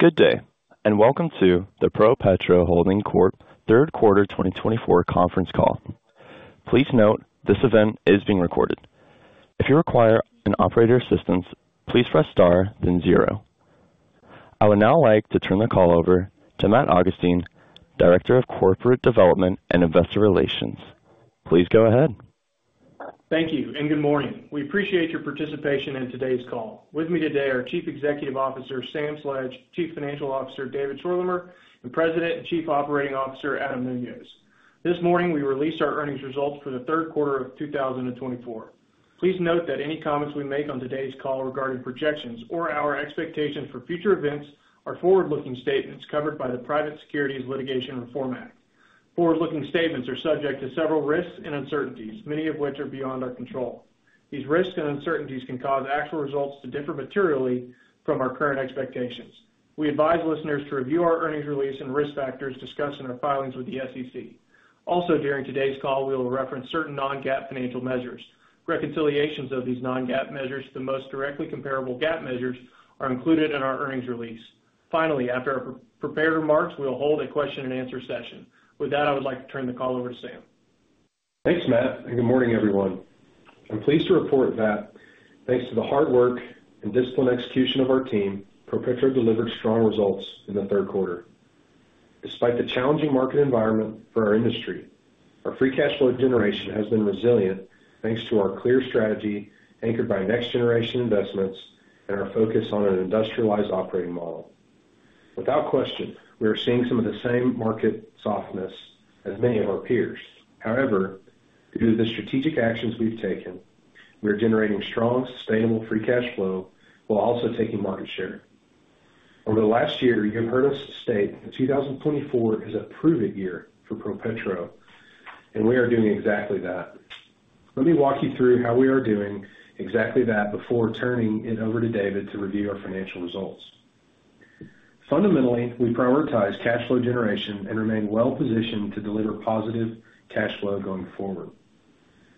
Good day, and welcome to the ProPetro Holding Corp. Third Quarter 2024 conference call. Please note this event is being recorded. If you require an operator assistance, please press star, then zero. I would now like to turn the call over to Matt Augustine, Director of Corporate Development and Investor Relations. Please go ahead. Thank you, and good morning. We appreciate your participation in today's call. With me today are Chief Executive Officer Sam Sledge, Chief Financial Officer David Schorlemer, and President and Chief Operating Officer Adam Muñoz. This morning we released our earnings results for the third quarter of 2024. Please note that any comments we make on today's call regarding projections or our expectations for future events are forward-looking statements covered by the Private Securities Litigation Reform Act. Forward-looking statements are subject to several risks and uncertainties, many of which are beyond our control. These risks and uncertainties can cause actual results to differ materially from our current expectations. We advise listeners to review our earnings release and risk factors discussed in our filings with the SEC. Also, during today's call, we will reference certain non-GAAP financial measures. Reconciliations of these non-GAAP measures to the most directly comparable GAAP measures are included in our earnings release. Finally, after our prepared remarks, we will hold a question-and-answer session. With that, I would like to turn the call over to Sam. Thanks, Matt, and good morning, everyone. I'm pleased to report that thanks to the hard work and disciplined execution of our team, ProPetro delivered strong results in the third quarter. Despite the challenging market environment for our industry, our free cash flow generation has been resilient thanks to our clear strategy anchored by next-generation investments and our focus on an industrialized operating model. Without question, we are seeing some of the same market softness as many of our peers. However, due to the strategic actions we've taken, we are generating strong, sustainable free cash flow while also taking market share. Over the last year, you've heard us state that 2024 is a prove-it year for ProPetro, and we are doing exactly that. Let me walk you through how we are doing exactly that before turning it over to David to review our financial results. Fundamentally, we prioritize cash flow generation and remain well-positioned to deliver positive cash flow going forward.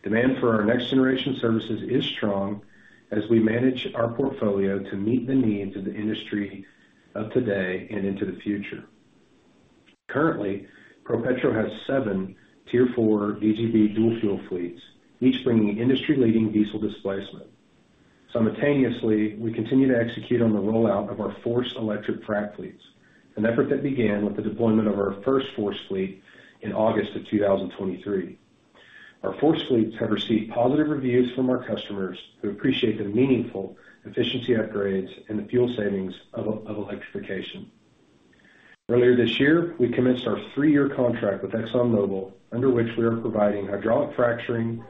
Demand for our next-generation services is strong as we manage our portfolio to meet the needs of the industry of today and into the future. Currently, ProPetro has seven Tier IV DGB dual-fuel fleets, each bringing industry-leading diesel displacement. Simultaneously, we continue to execute on the rollout of our FORCE electric frac fleets, an effort that began with the deployment of our first FORCE fleet in August of 2023. Our FORCE fleets have received positive reviews from our customers who appreciate the meaningful efficiency upgrades and the fuel savings of electrification. Earlier this year, we commenced our three-year contract with ExxonMobil, under which we are providing hydraulic fracturing,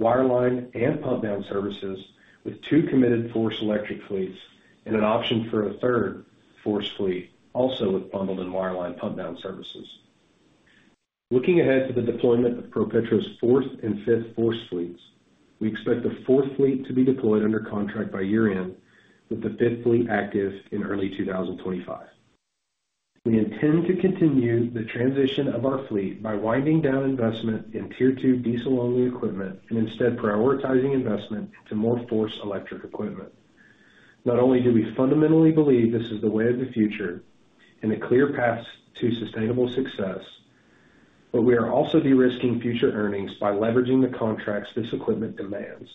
wireline, and pump-down services with two committed FORCE electric fleets and an option for a third FORCE fleet, also with bundled and wireline pump-down services. Looking ahead to the deployment of ProPetro's fourth and fifth FORCE fleets, we expect the fourth fleet to be deployed under contract by year-end, with the fifth fleet active in early 2025. We intend to continue the transition of our fleet by winding down investment in Tier II diesel-only equipment and instead prioritizing investment into more FORCE electric equipment. Not only do we fundamentally believe this is the way of the future and a clear path to sustainable success, but we are also de-risking future earnings by leveraging the contracts this equipment demands.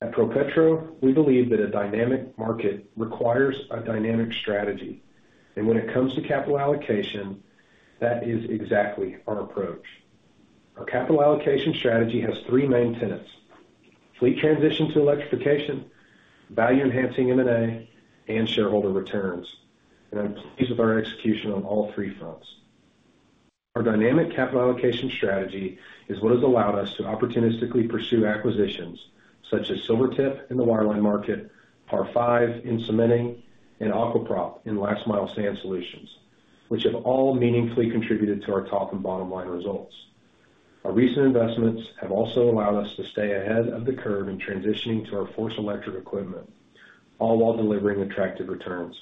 At ProPetro, we believe that a dynamic market requires a dynamic strategy, and when it comes to capital allocation, that is exactly our approach. Our capital allocation strategy has three main tenets: fleet transition to electrification, value-enhancing M&A, and shareholder returns. And I'm pleased with our execution on all three fronts. Our dynamic capital allocation strategy is what has allowed us to opportunistically pursue acquisitions such as Silvertip in the wireline market, Par Five in cementing, and Aqua Prop in last-mile sand solutions, which have all meaningfully contributed to our top and bottom-line results. Our recent investments have also allowed us to stay ahead of the curve in transitioning to our FORCE electric equipment, all while delivering attractive returns.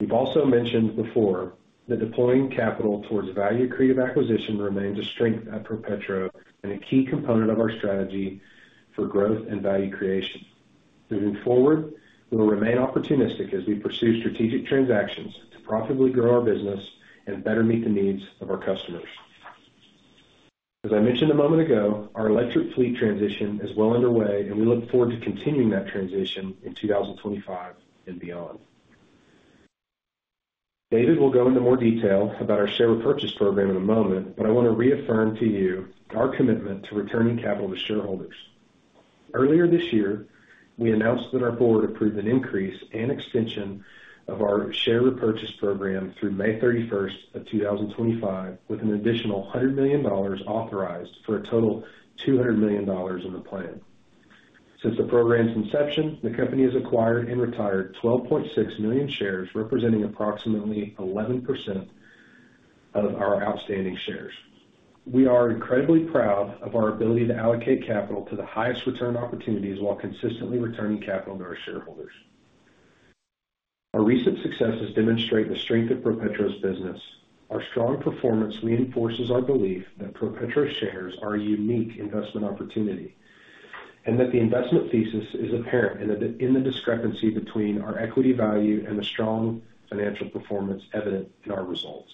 We've also mentioned before that deploying capital towards value-creative acquisition remains a strength at ProPetro and a key component of our strategy for growth and value creation. Moving forward, we will remain opportunistic as we pursue strategic transactions to profitably grow our business and better meet the needs of our customers. As I mentioned a moment ago, our electric fleet transition is well underway, and we look forward to continuing that transition in 2025 and beyond. David will go into more detail about our share repurchase program in a moment, but I want to reaffirm to you our commitment to returning capital to shareholders. Earlier this year, we announced that our board approved an increase and extension of our share repurchase program through May 31st of 2025, with an additional $100 million authorized for a total of $200 million in the plan. Since the program's inception, the company has acquired and retired 12.6 million shares, representing approximately 11% of our outstanding shares. We are incredibly proud of our ability to allocate capital to the highest return opportunities while consistently returning capital to our shareholders. Our recent successes demonstrate the strength of ProPetro's business. Our strong performance reinforces our belief that ProPetro shares are a unique investment opportunity and that the investment thesis is apparent in the discrepancy between our equity value and the strong financial performance evident in our results.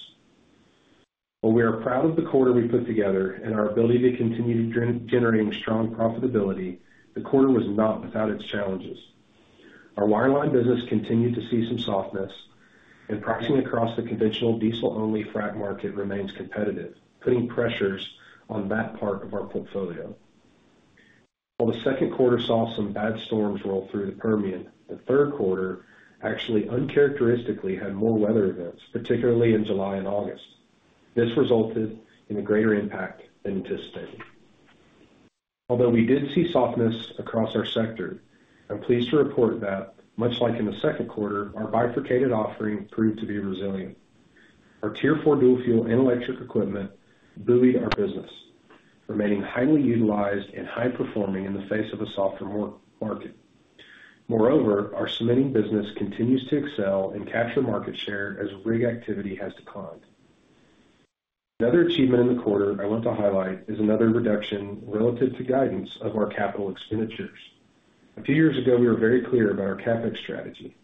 While we are proud of the quarter we put together and our ability to continue generating strong profitability, the quarter was not without its challenges. Our wireline business continued to see some softness, and pricing across the conventional diesel-only frac market remains competitive, putting pressures on that part of our portfolio. While the second quarter saw some bad storms roll through the Permian, the third quarter actually uncharacteristically had more weather events, particularly in July and August. This resulted in a greater impact than anticipated. Although we did see softness across our sector, I'm pleased to report that, much like in the second quarter, our bifurcated offering proved to be resilient. Our Tier IV dual-fuel and electric equipment buoyed our business, remaining highly utilized and high-performing in the face of a softer market. Moreover, our cementing business continues to excel and capture market share as rig activity has declined. Another achievement in the quarter I want to highlight is another reduction relative to guidance of our capital expenditures. A few years ago, we were very clear about our CapEx strategy,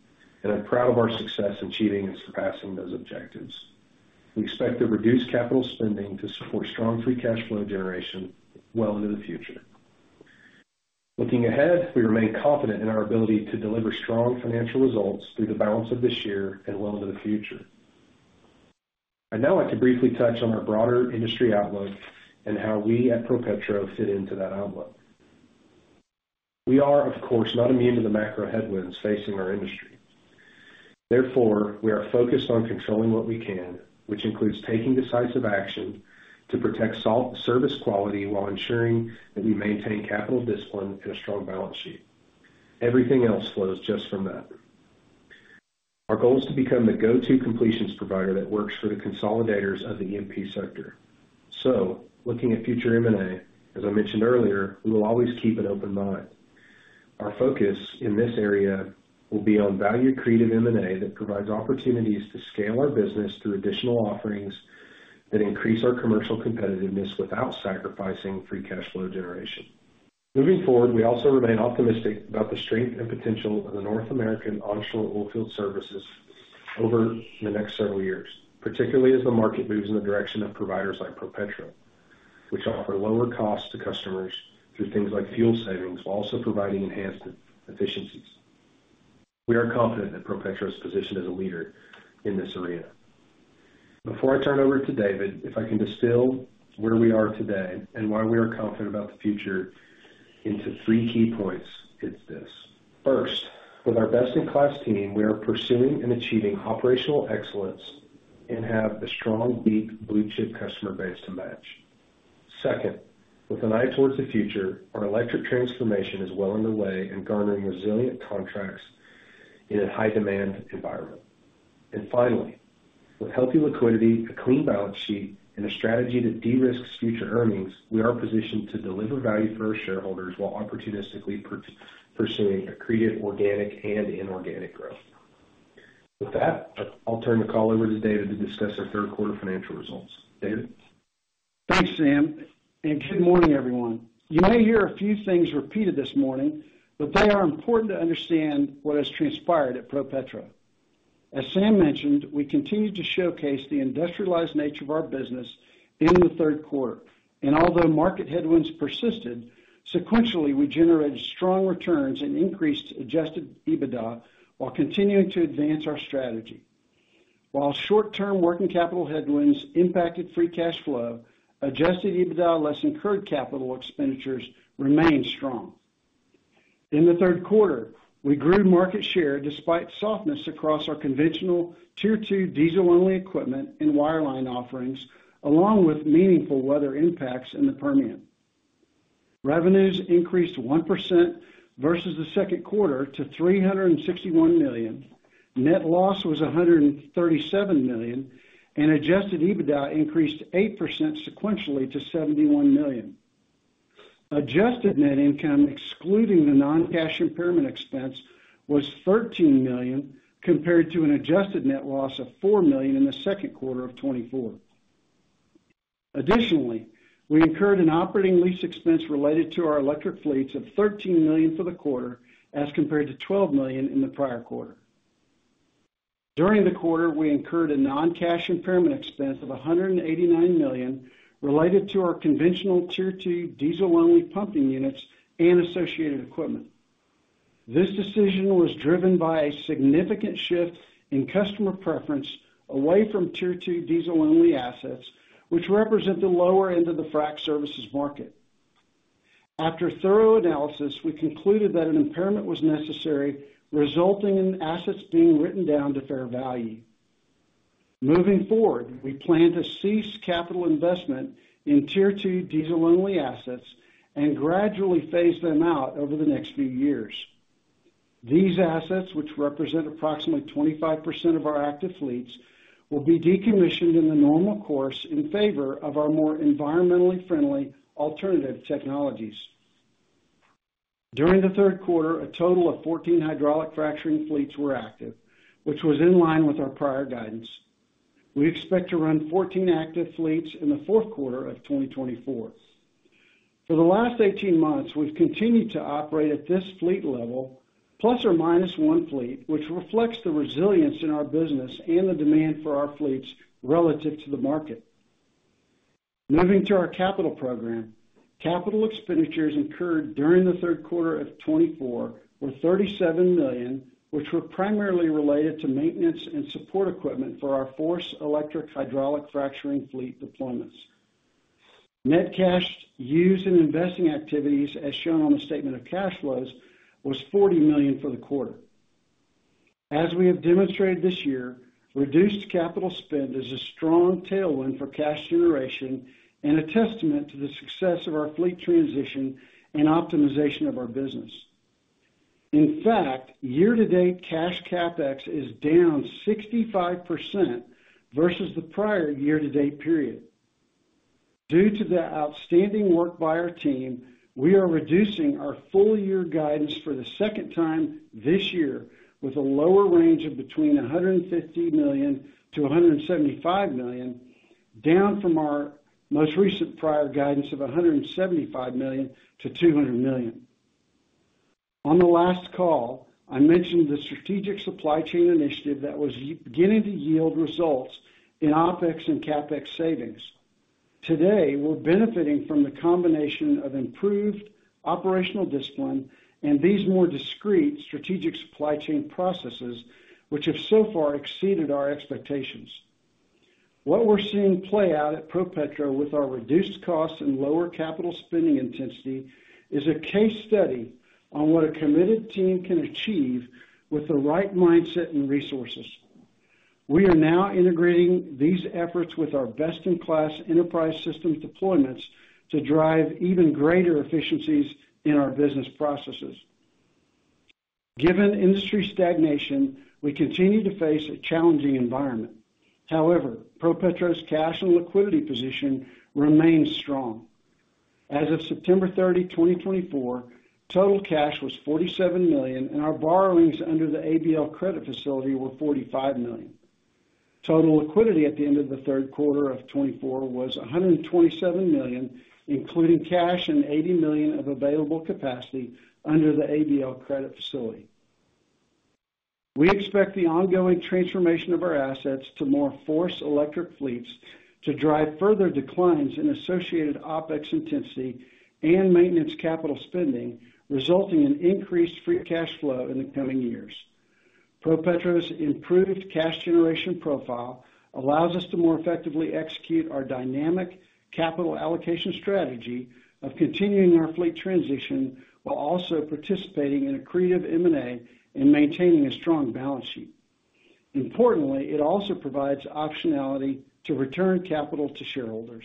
and I'm proud of our success in achieving and surpassing those objectives. We expect to reduce capital spending to support strong free cash flow generation well into the future. Looking ahead, we remain confident in our ability to deliver strong financial results through the balance of this year and well into the future. I'd now like to briefly touch on our broader industry outlook and how we at ProPetro fit into that outlook. We are, of course, not immune to the macro headwinds facing our industry. Therefore, we are focused on controlling what we can, which includes taking decisive action to protect service quality while ensuring that we maintain capital discipline and a strong balance sheet. Everything else flows just from that. Our goal is to become the go-to completions provider that works for the consolidators of the E&P sector. So, looking at future M&A, as I mentioned earlier, we will always keep an open mind. Our focus in this area will be on value-creative M&A that provides opportunities to scale our business through additional offerings that increase our commercial competitiveness without sacrificing free cash flow generation. Moving forward, we also remain optimistic about the strength and potential of the North American onshore oilfield services over the next several years, particularly as the market moves in the direction of providers like ProPetro, which offer lower costs to customers through things like fuel savings while also providing enhanced efficiencies. We are confident that ProPetro is positioned as a leader in this arena. Before I turn over to David, if I can distill where we are today and why we are confident about the future into three key points, it's this. First, with our best-in-class team, we are pursuing and achieving operational excellence and have a strong, deep, blue-chip customer base to match. Second, with an eye towards the future, our electric transformation is well underway and garnering resilient contracts in a high-demand environment. Finally, with healthy liquidity, a clean balance sheet, and a strategy that de-risks future earnings, we are positioned to deliver value for our shareholders while opportunistically pursuing accretive organic and inorganic growth. With that, I'll turn the call over to David to discuss our third quarter financial results. David? Thanks, Sam, and good morning, everyone. You may hear a few things repeated this morning, but they are important to understand what has transpired at ProPetro. As Sam mentioned, we continued to showcase the industrialized nature of our business in the third quarter, and although market headwinds persisted, sequentially we generated strong returns and increased adjusted EBITDA while continuing to advance our strategy. While short-term working capital headwinds impacted free cash flow, adjusted EBITDA less incurred capital expenditures remained strong. In the third quarter, we grew market share despite softness across our conventional Tier II diesel-only equipment and wireline offerings, along with meaningful weather impacts in the Permian. Revenues increased 1% versus the second quarter to $361 million. Net loss was $137 million, and adjusted EBITDA increased 8% sequentially to $71 million. Adjusted net income, excluding the non-cash impairment expense, was $13 million compared to an adjusted net loss of $4 million in the second quarter of 2024. Additionally, we incurred an operating lease expense related to our electric fleets of $13 million for the quarter as compared to $12 million in the prior quarter. During the quarter, we incurred a non-cash impairment expense of $189 million related to our conventional Tier II diesel-only pumping units and associated equipment. This decision was driven by a significant shift in customer preference away from Tier II diesel-only assets, which represent the lower end of the frac services market. After thorough analysis, we concluded that an impairment was necessary, resulting in assets being written down to fair value. Moving forward, we plan to cease capital investment in Tier II diesel-only assets and gradually phase them out over the next few years. These assets, which represent approximately 25% of our active fleets, will be decommissioned in the normal course in favor of our more environmentally friendly alternative technologies. During the third quarter, a total of 14 hydraulic fracturing fleets were active, which was in line with our prior guidance. We expect to run 14 active fleets in the fourth quarter of 2024. For the last 18 months, we've continued to operate at this fleet level, plus or minus one fleet, which reflects the resilience in our business and the demand for our fleets relative to the market. Moving to our capital program, capital expenditures incurred during the third quarter of 2024 were $37 million, which were primarily related to maintenance and support equipment for our FORCE electric hydraulic fracturing fleet deployments. Net cash used in investing activities, as shown on the statement of cash flows, was $40 million for the quarter. As we have demonstrated this year, reduced capital spend is a strong tailwind for cash generation and a testament to the success of our fleet transition and optimization of our business. In fact, year-to-date cash CapEx is down 65% versus the prior year-to-date period. Due to the outstanding work by our team, we are reducing our full-year guidance for the second time this year with a lower range of between $150 million to $175 million, down from our most recent prior guidance of $175 million to $200 million. On the last call, I mentioned the strategic supply chain initiative that was beginning to yield results in OpEx and CapEx savings. Today, we're benefiting from the combination of improved operational discipline and these more discreet strategic supply chain processes, which have so far exceeded our expectations. What we're seeing play out at ProPetro with our reduced costs and lower capital spending intensity is a case study on what a committed team can achieve with the right mindset and resources. We are now integrating these efforts with our best-in-class enterprise system deployments to drive even greater efficiencies in our business processes. Given industry stagnation, we continue to face a challenging environment. However, ProPetro's cash and liquidity position remains strong. As of September 30, 2024, total cash was $47 million, and our borrowings under the ABL Credit Facility were $45 million. Total liquidity at the end of the third quarter of 2024 was $127 million, including cash and $80 million of available capacity under the ABL Credit Facility. We expect the ongoing transformation of our assets to more FORCE electric fleets to drive further declines in associated OpEx intensity and maintenance capital spending, resulting in increased free cash flow in the coming years. ProPetro's improved cash generation profile allows us to more effectively execute our dynamic capital allocation strategy of continuing our fleet transition while also participating in accretive M&A and maintaining a strong balance sheet. Importantly, it also provides optionality to return capital to shareholders.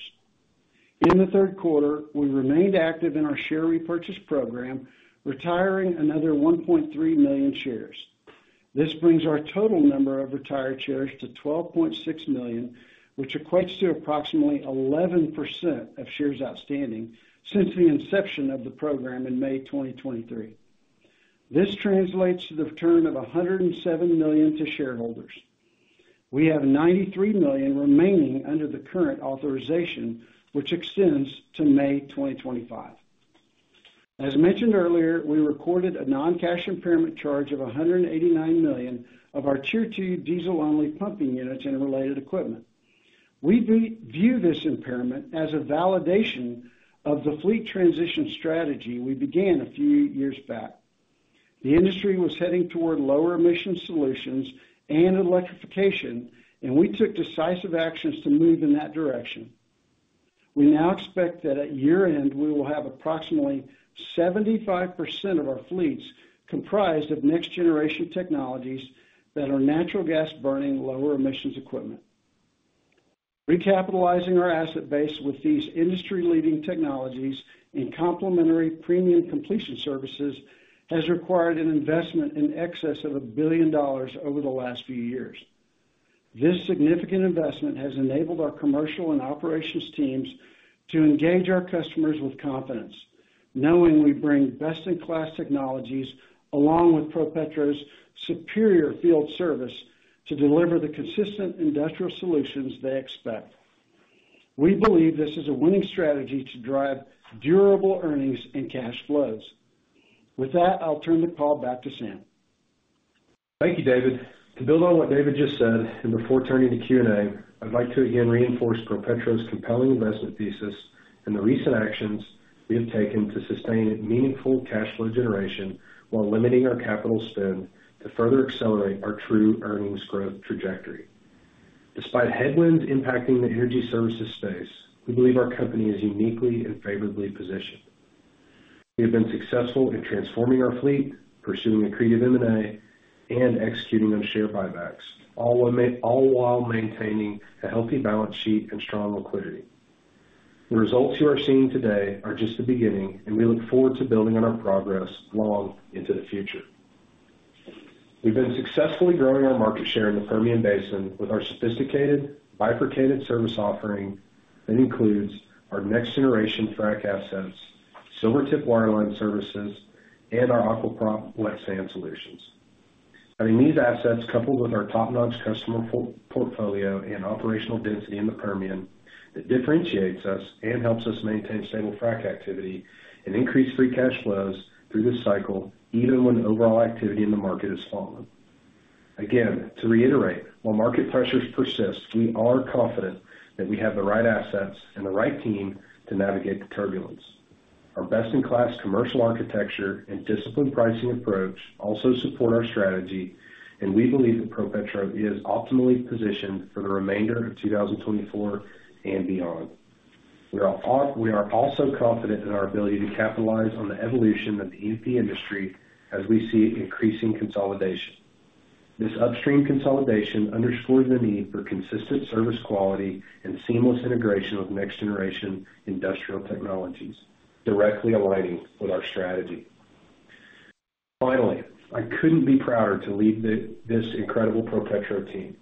In the third quarter, we remained active in our share repurchase program, retiring another 1.3 million shares. This brings our total number of retired shares to 12.6 million, which equates to approximately 11% of shares outstanding since the inception of the program in May 2023. This translates to the return of $107 million to shareholders. We have $93 million remaining under the current authorization, which extends to May 2025. As mentioned earlier, we recorded a non-cash impairment charge of $189 million of our Tier II diesel-only pumping units and related equipment. We view this impairment as a validation of the fleet transition strategy we began a few years back. The industry was heading toward lower emission solutions and electrification, and we took decisive actions to move in that direction. We now expect that at year-end, we will have approximately 75% of our fleets comprised of next-generation technologies that are natural gas-burning, lower emissions equipment. Recapitalizing our asset base with these industry-leading technologies and complementary premium completion services has required an investment in excess of $1 billion over the last few years. This significant investment has enabled our commercial and operations teams to engage our customers with confidence, knowing we bring best-in-class technologies along with ProPetro's superior field service to deliver the consistent industrial solutions they expect. We believe this is a winning strategy to drive durable earnings and cash flows. With that, I'll turn the call back to Sam. Thank you, David. To build on what David just said, and before turning to Q&A, I'd like to again reinforce ProPetro's compelling investment thesis and the recent actions we have taken to sustain meaningful cash flow generation while limiting our capital spend to further accelerate our true earnings growth trajectory. Despite headwinds impacting the energy services space, we believe our company is uniquely and favorably positioned. We have been successful in transforming our fleet, pursuing accretive M&A, and executing on share buybacks, all while maintaining a healthy balance sheet and strong liquidity. The results you are seeing today are just the beginning, and we look forward to building on our progress long into the future. We've been successfully growing our market share in the Permian Basin with our sophisticated bifurcated service offering that includes our next-generation frac assets, Silvertip Wireline Services, and our Aqua Prop Wet Sand Solutions. Having these assets coupled with our top-notch customer portfolio and operational density in the Permian, it differentiates us and helps us maintain stable frac activity and increase free cash flows through this cycle even when overall activity in the market is falling. Again, to reiterate, while market pressures persist, we are confident that we have the right assets and the right team to navigate the turbulence. Our best-in-class commercial architecture and disciplined pricing approach also support our strategy, and we believe that ProPetro is optimally positioned for the remainder of 2024 and beyond. We are also confident in our ability to capitalize on the evolution of the E&P industry as we see increasing consolidation. This upstream consolidation underscores the need for consistent service quality and seamless integration with next-generation industrial technologies, directly aligning with our strategy. Finally, I couldn't be prouder to lead this incredible ProPetro team.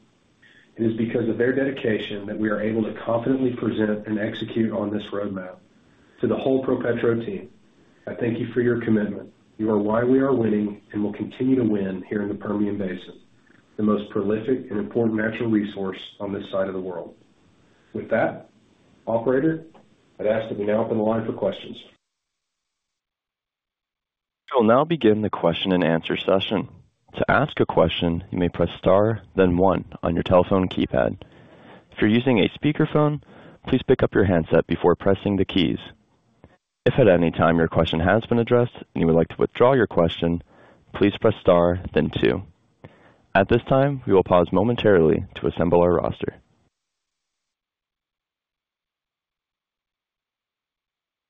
It is because of their dedication that we are able to confidently present and execute on this roadmap. To the whole ProPetro team, I thank you for your commitment. You are why we are winning and will continue to win here in the Permian Basin, the most prolific and important natural resource on this side of the world. With that, Operator, I'd ask that we now open the line for questions. We'll now begin the question and answer session. To ask a question, you may press Star, then one on your telephone keypad. If you're using a speakerphone, please pick up your handset before pressing the keys. If at any time your question has been addressed and you would like to withdraw your question, please press Star, then two. At this time, we will pause momentarily to assemble our roster.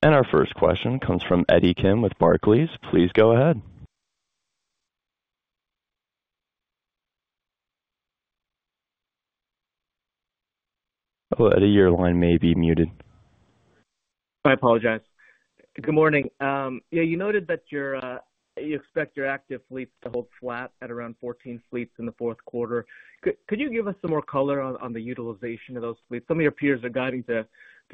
And our first question comes from Eddie Kim with Barclays. Please go ahead. Oh, Eddie, your line may be muted. I apologize. Good morning. Yeah, you noted that you expect your active fleets to hold flat at around 14 fleets in the fourth quarter. Could you give us some more color on the utilization of those fleets? Some of your peers are guiding to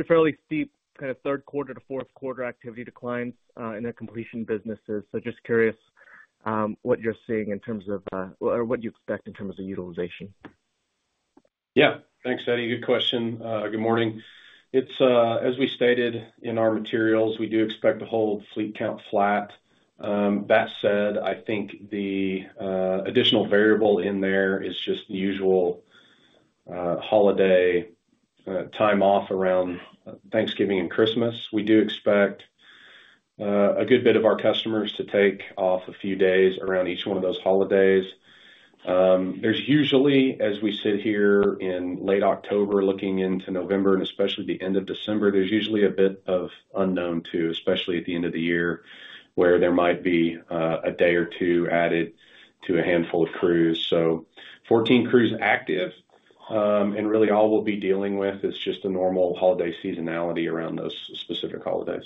fairly steep kind of third quarter to fourth quarter activity declines in their completion businesses. So just curious what you're seeing in terms of or what you expect in terms of utilization. Yeah. Thanks, Eddie. Good question. Good morning. As we stated in our materials, we do expect to hold fleet count flat. That said, I think the additional variable in there is just the usual holiday time off around Thanksgiving and Christmas. We do expect a good bit of our customers to take off a few days around each one of those holidays. There's usually, as we sit here in late October looking into November and especially the end of December, there's usually a bit of unknown too, especially at the end of the year where there might be a day or two added to a handful of crews. So 14 crews active, and really all we'll be dealing with is just the normal holiday seasonality around those specific holidays.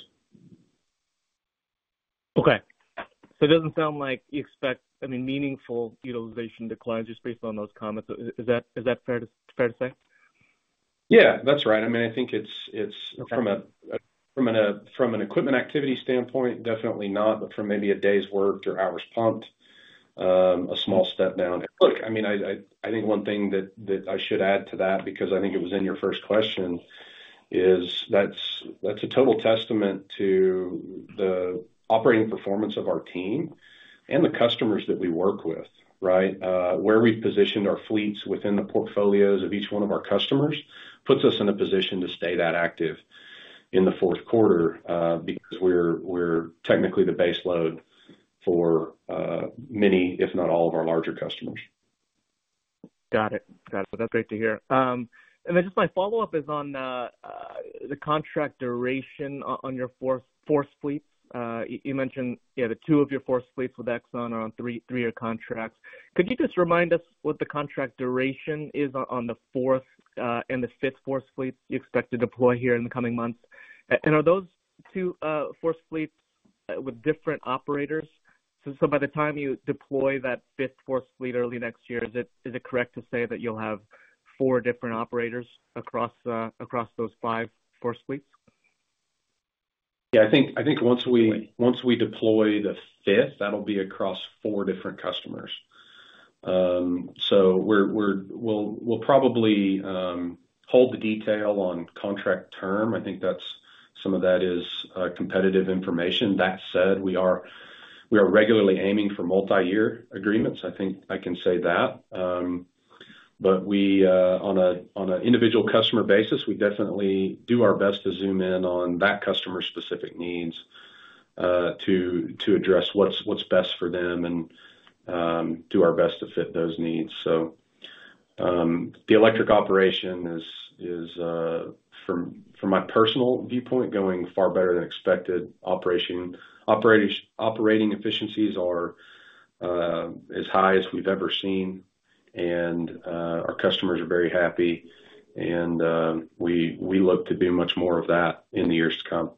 Okay, so it doesn't sound like you expect, I mean, meaningful utilization declines just based on those comments. Is that fair to say? Yeah, that's right. I mean, I think from an equipment activity standpoint, definitely not, but from maybe a day's worked or hours pumped, a small step down. Look, I mean, I think one thing that I should add to that, because I think it was in your first question, is that's a total testament to the operating performance of our team and the customers that we work with, right? Where we've positioned our fleets within the portfolios of each one of our customers puts us in a position to stay that active in the fourth quarter because we're technically the base load for many, if not all, of our larger customers. Got it. Got it. Well, that's great to hear. And then just my follow-up is on the contract duration on your fourth fleets. You mentioned you have two of your fourth fleets with Exxon are on three-year contracts. Could you just remind us what the contract duration is on the fourth and the fifth force fleets you expect to deploy here in the coming months? And are those two force fleets with different operators? So by the time you deploy that fifth force fleet early next year, is it correct to say that you'll have four different operators across those five force fleets? Yeah, I think once we deploy the fifth, that'll be across four different customers. So we'll probably hold the detail on contract term. I think some of that is competitive information. That said, we are regularly aiming for multi-year agreements. I think I can say that, but on an individual customer basis, we definitely do our best to zoom in on that customer's specific needs to address what's best for them and do our best to fit those needs. So the electric operation is, from my personal viewpoint, going far better than expected. Operating efficiencies are as high as we've ever seen, and our customers are very happy, and we look to do much more of that in the years to come.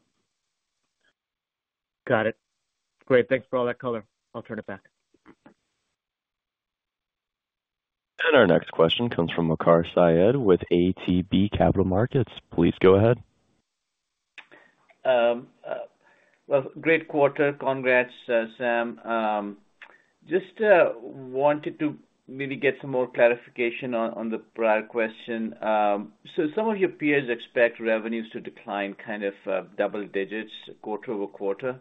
Got it. Great. Thanks for all that color. I'll turn it back. Our next question comes from Waqar Syed with ATB Capital Markets. Please go ahead. Well, great quarter. Congrats, Sam. Just wanted to maybe get some more clarification on the prior question. So some of your peers expect revenues to decline kind of double digits, quarter over quarter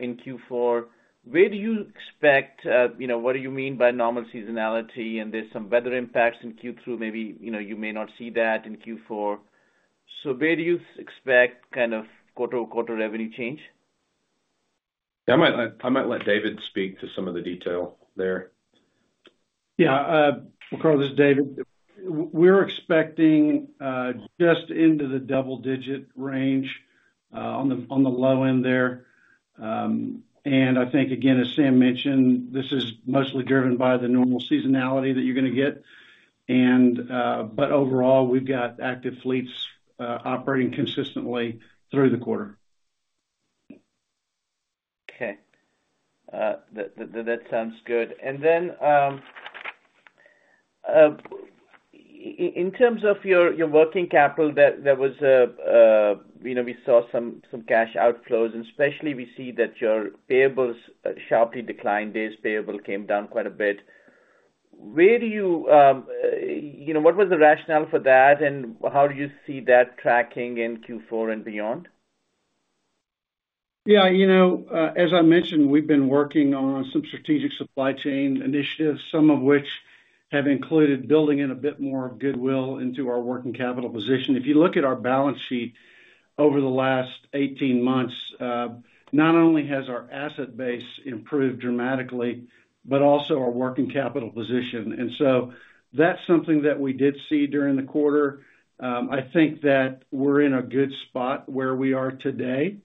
in Q4. Where do you expect? What do you mean by normal seasonality? And there's some weather impacts in Q3. Maybe you may not see that in Q4. So where do you expect kind of quarter-over-quarter revenue change? I might let David speak to some of the detail there. Yeah. Waqar, this is David. We're expecting just into the double-digit range on the low end there. And I think, again, as Sam mentioned, this is mostly driven by the normal seasonality that you're going to get. But overall, we've got active fleets operating consistently through the quarter. Okay. That sounds good. And then in terms of your working capital, we saw some cash outflows, and especially we see that your payables sharply declined. Days payable came down quite a bit. What was the rationale for that, and how do you see that tracking in Q4 and beyond? Yeah. As I mentioned, we've been working on some strategic supply chain initiatives, some of which have included building in a bit more goodwill into our working capital position. If you look at our balance sheet over the last 18 months, not only has our asset base improved dramatically, but also our working capital position. And so that's something that we did see during the quarter. I think that we're in a good spot where we are today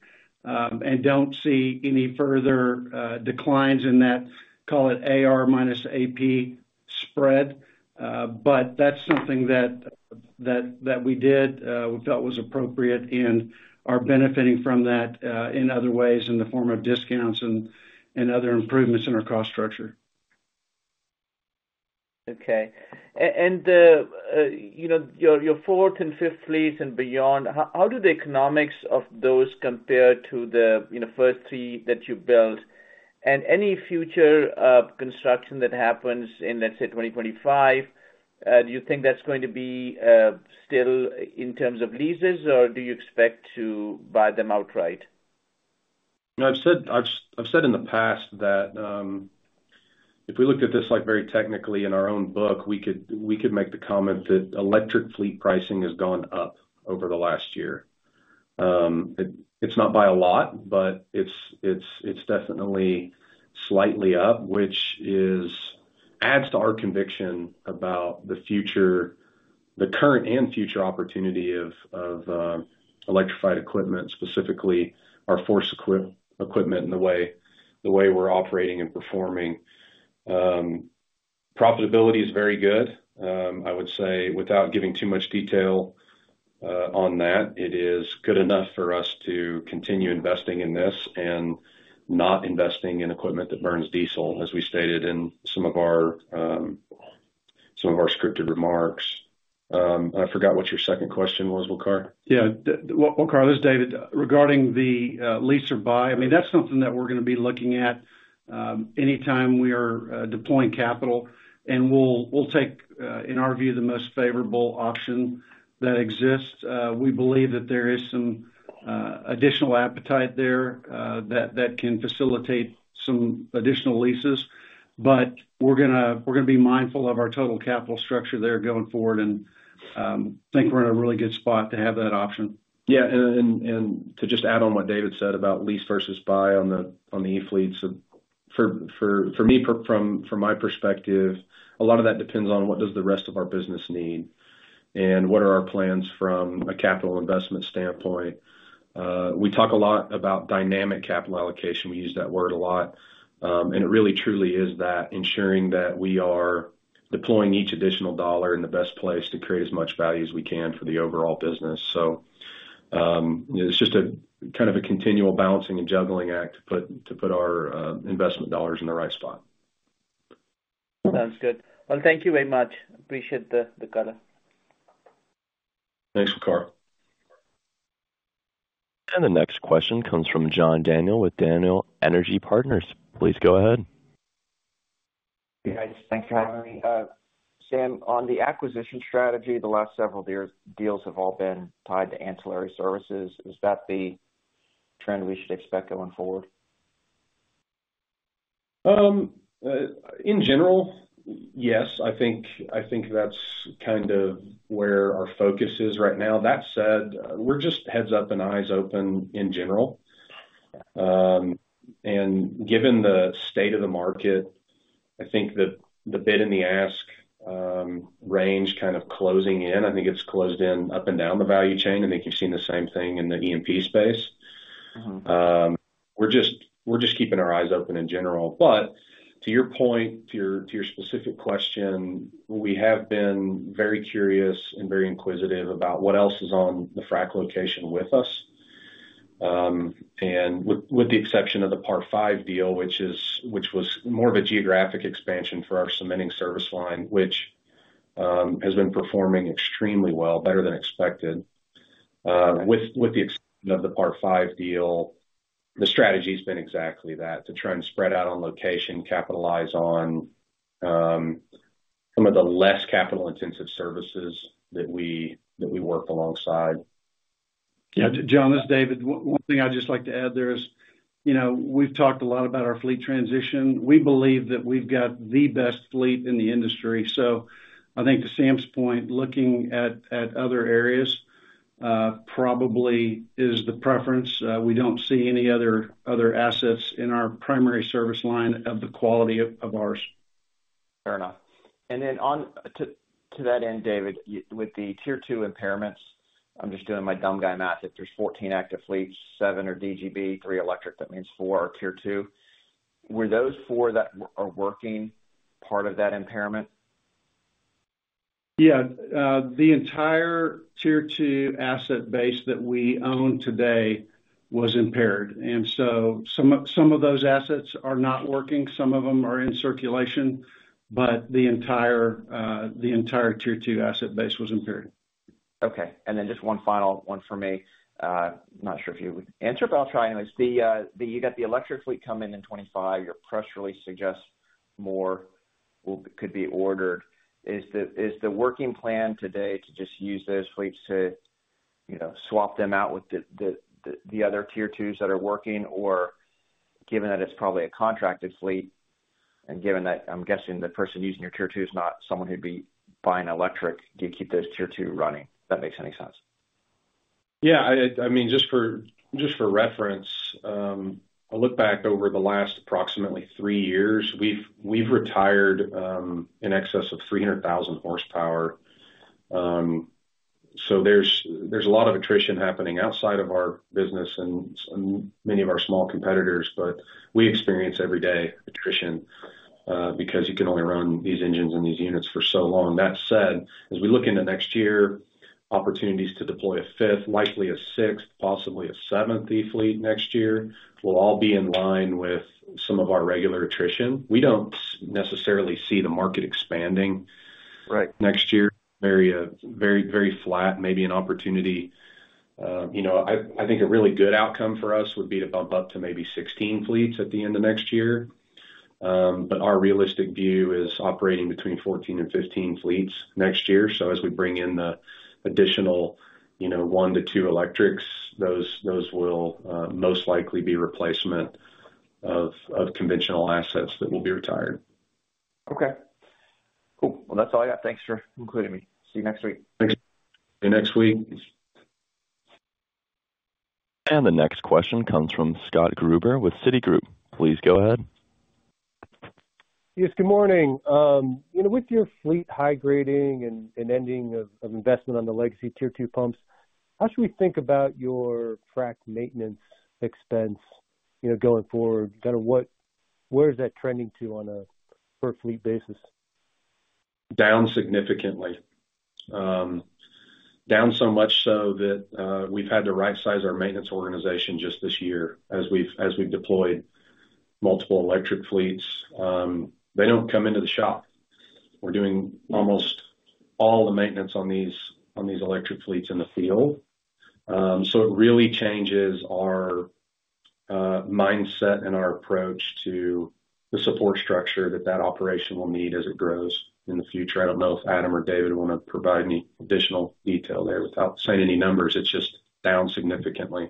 and don't see any further declines in that, call it AR minus AP spread. But that's something that we did, we felt was appropriate, and are benefiting from that in other ways in the form of discounts and other improvements in our cost structure. Okay. And your fourth and fifth fleets and beyond, how do the economics of those compare to the first three that you built? And any future construction that happens in, let's say, 2025, do you think that's going to be still in terms of leases, or do you expect to buy them outright? I've said in the past that if we looked at this very technically in our own book, we could make the comment that electric fleet pricing has gone up over the last year. It's not by a lot, but it's definitely slightly up, which adds to our conviction about the current and future opportunity of electrified equipment, specifically our FORCE equipment in the way we're operating and performing. Profitability is very good, I would say, without giving too much detail on that. It is good enough for us to continue investing in this and not investing in equipment that burns diesel, as we stated in some of our scripted remarks. I forgot what your second question was, Waqar. Yeah. Waqar, this is David. Regarding the lease or buy, I mean, that's something that we're going to be looking at anytime we are deploying capital. We'll take, in our view, the most favorable option that exists. We believe that there is some additional appetite there that can facilitate some additional leases. We're going to be mindful of our total capital structure there going forward and think we're in a really good spot to have that option. Yeah, and to just add on what David said about lease versus buy on the e-fleets, for me, from my perspective, a lot of that depends on what does the rest of our business need and what are our plans from a capital investment standpoint. We talk a lot about dynamic capital allocation. We use that word a lot, and it really truly is that ensuring that we are deploying each additional dollar in the best place to create as much value as we can for the overall business. So it's just kind of a continual balancing and juggling act to put our investment dollars in the right spot. Sounds good. Well, thank you very much. Appreciate the color. Thanks, Makar. The next question comes from John Daniel with Daniel Energy Partners. Please go ahead. Hey, guys. Thanks for having me. Sam, on the acquisition strategy, the last several deals have all been tied to ancillary services. Is that the trend we should expect going forward? In general, yes. I think that's kind of where our focus is right now. That said, we're just heads up and eyes open in general, and given the state of the market, I think the bid and the ask range kind of closing in, I think it's closed in up and down the value chain. I think you've seen the same thing in the E&P space. We're just keeping our eyes open in general, but to your point, to your specific question, we have been very curious and very inquisitive about what else is on the frac location with us, and with the exception of the Par Five deal, which was more of a geographic expansion for our cementing service line, which has been performing extremely well, better than expected. With the exception of the Par Five deal, the strategy has been exactly that, to try and spread out on location, capitalize on some of the less capital-intensive services that we work alongside. Yeah. John, this is David. One thing I'd just like to add there is we've talked a lot about our fleet transition. We believe that we've got the best fleet in the industry. So I think to Sam's point, looking at other areas probably is the preference. We don't see any other assets in our primary service line of the quality of ours. Fair enough. And then to that end, David, with the tier two impairments, I'm just doing my dumb guy math. If there's 14 active fleets, seven are DGB, three electric, that means four are tier two. Were those four that are working part of that impairment? Yeah. The entire Tier II asset base that we own today was impaired, and so some of those assets are not working. Some of them are in circulation, but the entire Tier II asset base was impaired. Okay. And then just one final one for me. Not sure if you would answer, but I'll try anyways. You got the electric fleet coming in 2025. Your press release suggests more could be ordered. Is the working plan today to just use those fleets to swap them out with the other tier twos that are working? Or given that it's probably a contracted fleet and given that I'm guessing the person using your tier two is not someone who'd be buying electric, do you keep those tier two running? If that makes any sense? Yeah. I mean, just for reference, I look back over the last approximately three years, we've retired in excess of 300,000 horsepower. So there's a lot of attrition happening outside of our business and many of our small competitors. But we experience every day attrition because you can only run these engines and these units for so long. That said, as we look into next year, opportunities to deploy a fifth, likely a sixth, possibly a seventh E fleet next year will all be in line with some of our regular attrition. We don't necessarily see the market expanding next year. Very flat, maybe an opportunity. I think a really good outcome for us would be to bump up to maybe 16 fleets at the end of next year. But our realistic view is operating between 14 and 15 fleets next year. So as we bring in the additional one to two electrics, those will most likely be replacement of conventional assets that will be retired. Okay. Cool. Well, that's all I got. Thanks for including me. See you next week. Thanks. See you next week. The next question comes from Scott Gruber with Citigroup. Please go ahead. Yes. Good morning. With your fleet high grading and ending of investment on the legacy Tier II pumps, how should we think about your frac maintenance expense going forward? Kind of where is that trending to on a per fleet basis? Down significantly. Down so much so that we've had to right-size our maintenance organization just this year as we've deployed multiple electric fleets. They don't come into the shop. We're doing almost all the maintenance on these electric fleets in the field. So it really changes our mindset and our approach to the support structure that that operation will need as it grows in the future. I don't know if Adam or David want to provide me additional detail there without saying any numbers. It's just down significantly.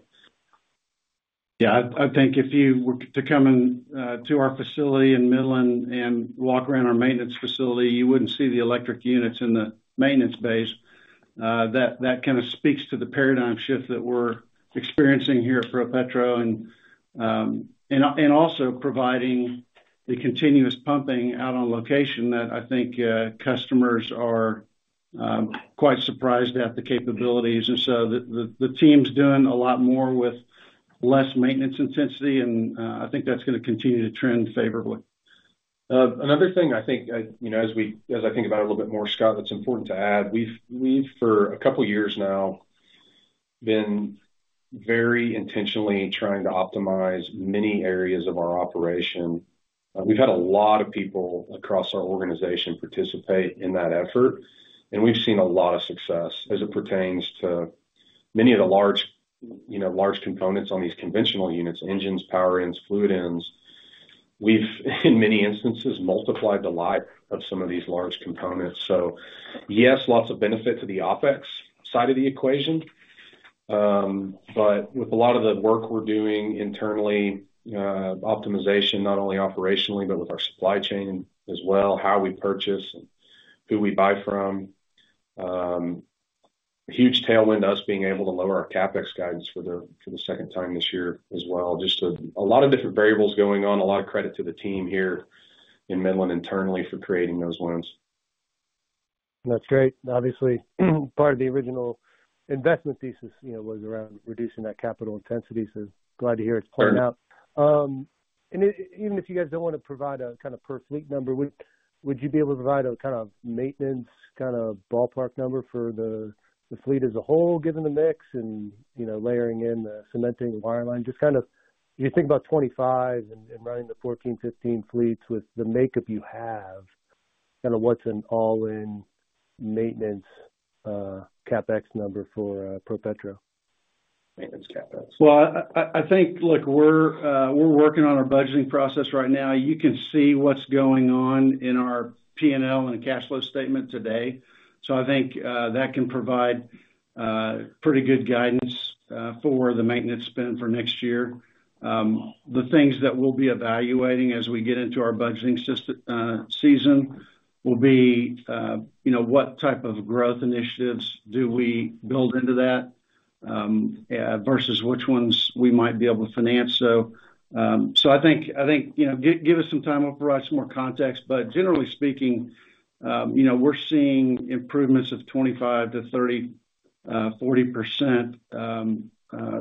Yeah. I think if you were to come into our facility in Midland and walk around our maintenance facility, you wouldn't see the electric units in the maintenance bays. That kind of speaks to the paradigm shift that we're experiencing here at ProPetro and also providing the continuous pumping out on location that I think customers are quite surprised at the capabilities, and so the team's doing a lot more with less maintenance intensity, and I think that's going to continue to trend favorably. Another thing I think, as I think about it a little bit more, Scott, that's important to add. We've, for a couple of years now, been very intentionally trying to optimize many areas of our operation. We've had a lot of people across our organization participate in that effort. And we've seen a lot of success as it pertains to many of the large components on these conventional units, engines, power ends, fluid ends. We've, in many instances, multiplied the life of some of these large components. So yes, lots of benefit to the OpEx side of the equation. But with a lot of the work we're doing internally, optimization, not only operationally, but with our supply chain as well, how we purchase and who we buy from, huge tailwind to us being able to lower our CapEx guidance for the second time this year as well. Just a lot of different variables going on. A lot of credit to the team here in Midland internally for creating those ones. That's great. Obviously, part of the original investment thesis was around reducing that capital intensity. So glad to hear it's playing out. And even if you guys don't want to provide a kind of per fleet number, would you be able to provide a kind of maintenance kind of ballpark number for the fleet as a whole, given the mix and layering in the cementing wireline? Just kind of, if you think about 2025 and running the 14-15 fleets with the makeup you have, kind of what's an all-in maintenance CapEx number for ProPetro? Maintenance CapEx. I think we're working on our budgeting process right now. You can see what's going on in our P&L and cash flow statement today. I think that can provide pretty good guidance for the maintenance spend for next year. The things that we'll be evaluating as we get into our budgeting season will be what type of growth initiatives do we build into that versus which ones we might be able to finance. I think give us some time to provide some more context. Generally speaking, we're seeing improvements of 25% to 30%-40%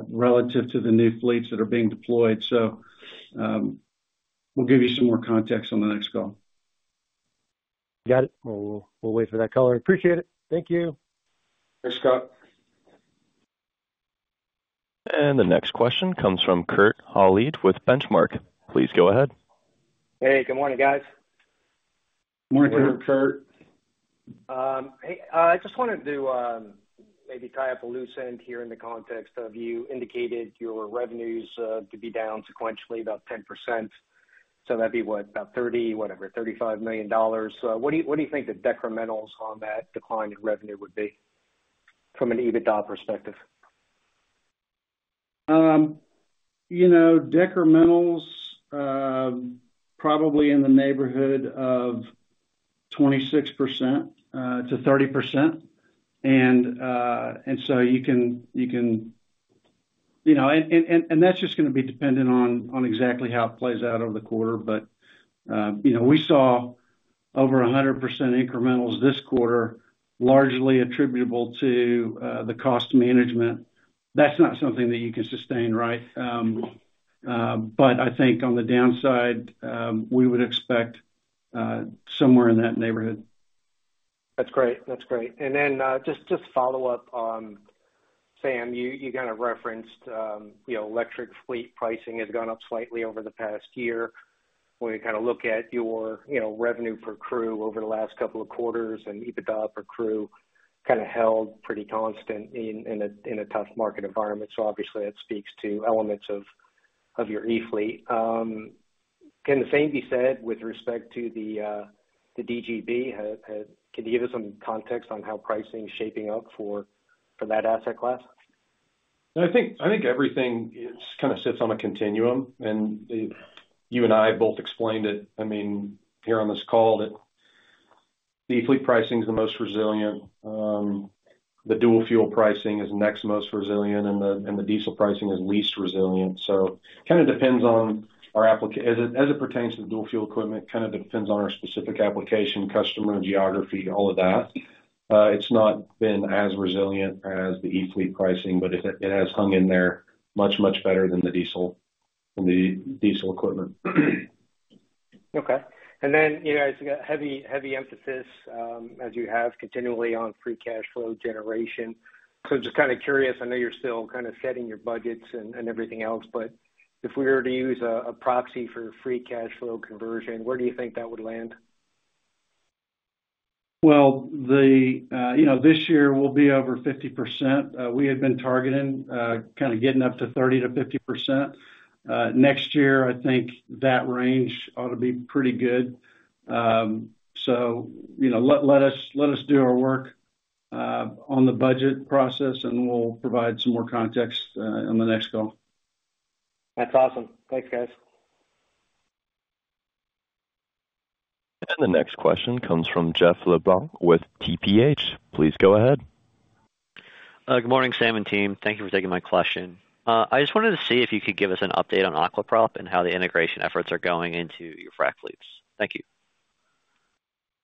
relative to the new fleets that are being deployed. We'll give you some more context on the next call. Got it. We'll wait for that caller. Appreciate it. Thank you. Thanks, Scott. And the next question comes from Kurt Hallead with Benchmark. Please go ahead. Hey. Good morning, guys. Good morning, Kurt. Hey. I just wanted to maybe tie up a loose end here in the context of you indicated your revenues to be down sequentially about 10%. So that'd be what, about $30, whatever, $35 million. What do you think the decrementals on that decline in revenue would be from an EBITDA perspective? Decrementals probably in the neighborhood of 26%-30%, and so you can and that's just going to be dependent on exactly how it plays out over the quarter, but we saw over 100% incrementals this quarter, largely attributable to the cost management. That's not something that you can sustain, right, but I think on the downside, we would expect somewhere in that neighborhood. That's great. That's great. And then just to follow up on Sam, you kind of referenced electric fleet pricing has gone up slightly over the past year. When we kind of look at your revenue per crew over the last couple of quarters and EBITDA per crew kind of held pretty constant in a tough market environment. So obviously, that speaks to elements of your E fleet. Can the same be said with respect to the DGB? Can you give us some context on how pricing is shaping up for that asset class? I think everything kind of sits on a continuum, and you and I both explained it, I mean, here on this call, that the E fleet pricing is the most resilient. The dual fuel pricing is next most resilient, and the diesel pricing is least resilient. So it kind of depends, as it pertains to the dual fuel equipment, on our specific application, customer, geography, all of that. It's not been as resilient as the E fleet pricing, but it has hung in there much, much better than the diesel equipment. Okay. And then you guys got heavy emphasis, as you have, continually on free cash flow generation. So just kind of curious. I know you're still kind of setting your budgets and everything else. But if we were to use a proxy for free cash flow conversion, where do you think that would land? This year will be over 50%. We had been targeting kind of getting up to 30%-50%. Next year, I think that range ought to be pretty good. Let us do our work on the budget process, and we'll provide some more context on the next call. That's awesome. Thanks, guys. The next question comes from Jeff LeBlanc with TPH. Please go ahead. Good morning, Sam and team. Thank you for taking my question. I just wanted to see if you could give us an update on Aqua Prop and how the integration efforts are going into your frac fleets? Thank you.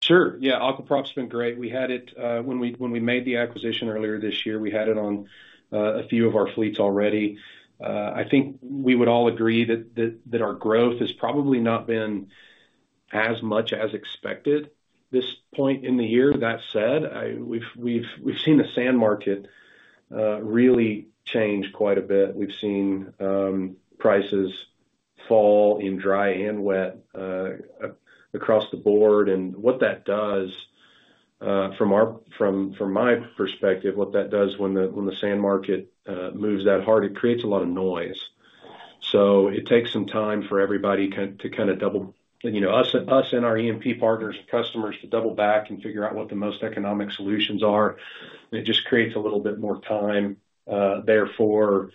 Sure. Yeah. Aqua Prop's been great. We had it when we made the acquisition earlier this year. We had it on a few of our fleets already. I think we would all agree that our growth has probably not been as much as expected this point in the year. That said, we've seen the sand market really change quite a bit. We've seen prices fall in dry and wet across the board, and what that does, from my perspective, what that does when the sand market moves that hard, it creates a lot of noise, so it takes some time for everybody to kind of double us and our E&P partners and customers to double back and figure out what the most economic solutions are. It just creates a little bit more time, therefore,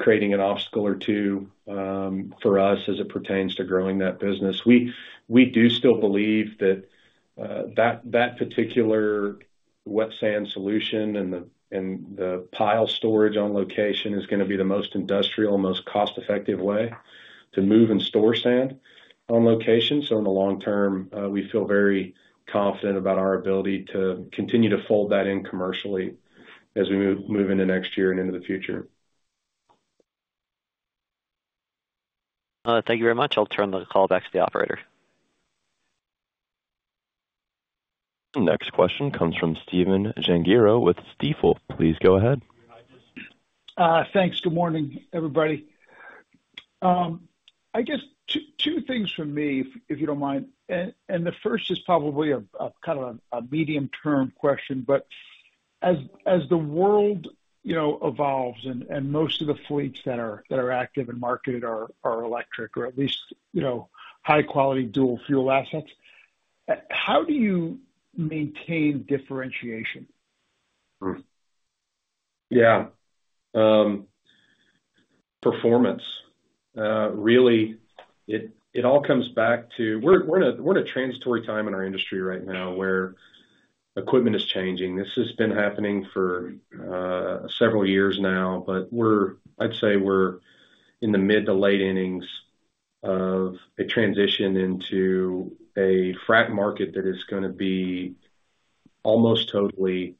creating an obstacle or two for us as it pertains to growing that business. We do still believe that that particular wet sand solution and the pile storage on location is going to be the most industrial, most cost-effective way to move and store sand on location. So in the long term, we feel very confident about our ability to continue to fold that in commercially as we move into next year and into the future. Thank you very much. I'll turn the call back to the operator. And the next question comes from Stephen Gengaro with Stifel. Please go ahead. Thanks. Good morning, everybody. I guess two things from me, if you don't mind. And the first is probably kind of a medium-term question. But as the world evolves and most of the fleets that are active and marketed are electric, or at least high-quality dual fuel assets, how do you maintain differentiation? Yeah. Performance. Really, it all comes back to we're in a transitory time in our industry right now where equipment is changing. This has been happening for several years now. But I'd say we're in the mid to late innings of a transition into a frac market that is going to be almost totally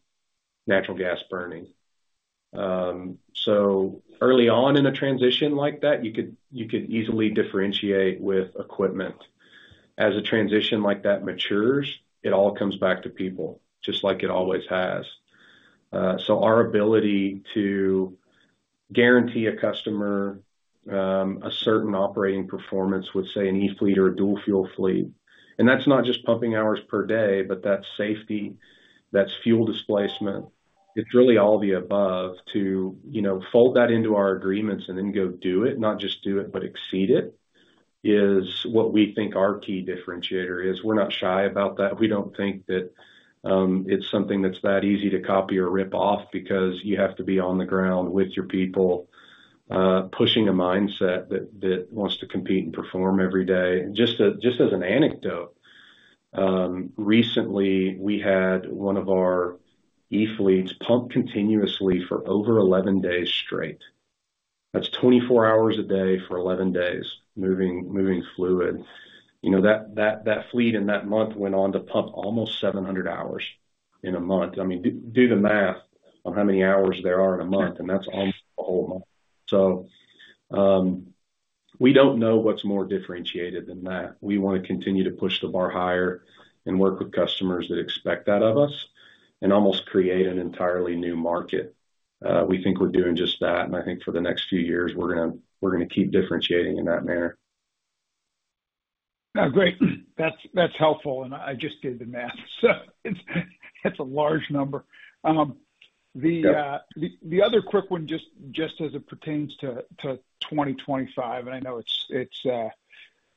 natural gas burning. So early on in a transition like that, you could easily differentiate with equipment. As a transition like that matures, it all comes back to people, just like it always has. Our ability to guarantee a customer a certain operating performance with, say, an E fleet or a dual fuel fleet, and that's not just pumping hours per day, but that's safety, that's fuel displacement. It's really all the above to fold that into our agreements and then go do it, not just do it, but exceed it, is what we think our key differentiator is. We're not shy about that. We don't think that it's something that's that easy to copy or rip off because you have to be on the ground with your people, pushing a mindset that wants to compete and perform every day. Just as an anecdote, recently, we had one of our E fleets pump continuously for over 11 days straight. That's 24 hours a day for 11 days moving fluid. That fleet in that month went on to pump almost 700 hours in a month. I mean, do the math on how many hours there are in a month, and that's almost a whole month. So we don't know what's more differentiated than that. We want to continue to push the bar higher and work with customers that expect that of us and almost create an entirely new market. We think we're doing just that. And I think for the next few years, we're going to keep differentiating in that manner. Great. That's helpful, and I just did the math, so that's a large number. The other quick one, just as it pertains to 2025, and I know it's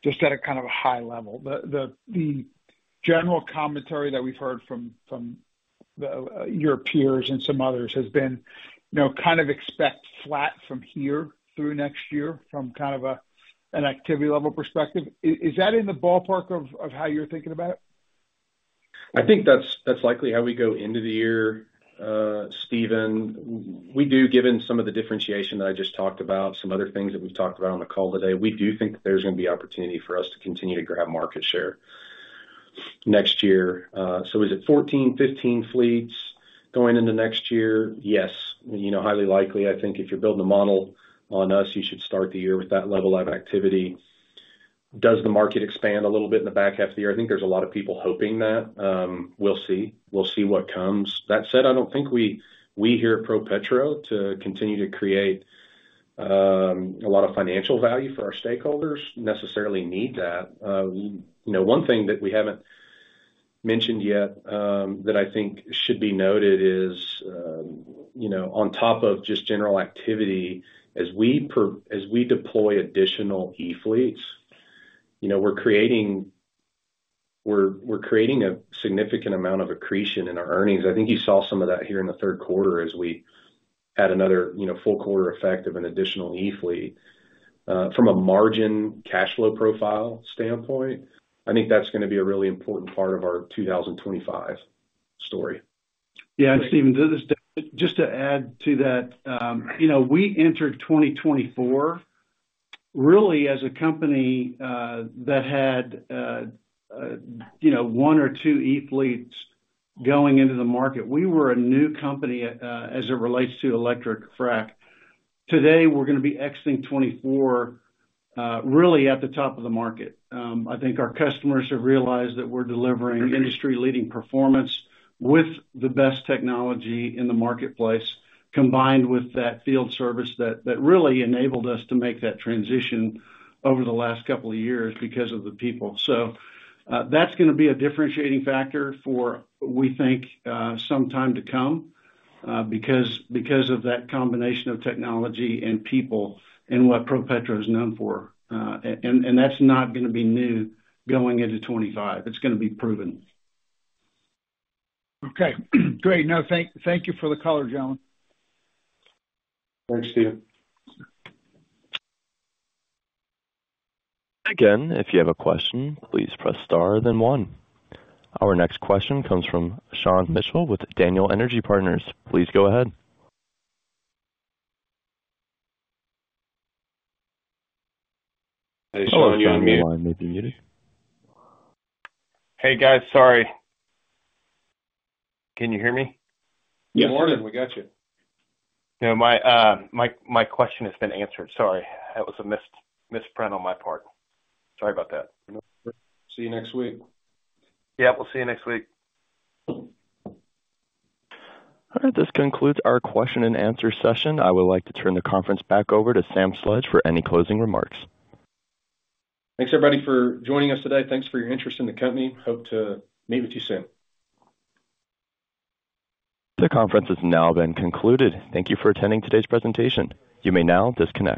just at a kind of a high level. The general commentary that we've heard from your peers and some others has been kind of expect flat from here through next year from kind of an activity-level perspective. Is that in the ballpark of how you're thinking about it? I think that's likely how we go into the year, Stephen. We do, given some of the differentiation that I just talked about, some other things that we've talked about on the call today, we do think that there's going to be opportunity for us to continue to grab market share next year. So is it 14, 15 fleets going into next year? Yes. Highly likely. I think if you're building a model on us, you should start the year with that level of activity. Does the market expand a little bit in the back half of the year? I think there's a lot of people hoping that. We'll see. We'll see what comes. That said, I don't think we here at ProPetro to continue to create a lot of financial value for our stakeholders necessarily need that. One thing that we haven't mentioned yet that I think should be noted is, on top of just general activity, as we deploy additional E fleets, we're creating a significant amount of accretion in our earnings. I think you saw some of that here in the third quarter as we had another full quarter effect of an additional E fleet. From a margin cash flow profile standpoint, I think that's going to be a really important part of our 2025 story. Yeah, and Stephen, just to add to that, we entered 2024 really as a company that had one or two E fleets going into the market. We were a new company as it relates to electric frac. Today, we're going to be exiting 2024 really at the top of the market. I think our customers have realized that we're delivering industry-leading performance with the best technology in the marketplace, combined with that field service that really enabled us to make that transition over the last couple of years because of the people. So that's going to be a differentiating factor for, we think, some time to come because of that combination of technology and people and what ProPetro is known for, and that's not going to be new going into 2025. It's going to be proven. Okay. Great. No, thank you for the call, gentlemen. Thanks, Steve. Again, if you have a question, please press star, then one. Our next question comes from Sean Mitchell with Daniel Energy Partners. Please go ahead. Hello. You're on the other end of the line. Hey, guys. Sorry. Can you hear me? Yes. Good morning. We got you. My question has been answered. Sorry. That was a misprint on my part. Sorry about that. See you next week. Yeah. We'll see you next week. All right. This concludes our question-and-answer session. I would like to turn the conference back over to Sam Sledge for any closing remarks. Thanks, everybody, for joining us today. Thanks for your interest in the company. Hope to meet with you soon. The conference has now been concluded. Thank you for attending today's presentation. You may now disconnect.